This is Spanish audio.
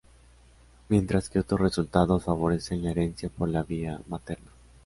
Mientras que otros resultados favorecen la herencia por la vía materna.